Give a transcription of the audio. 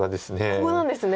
ここなんですね。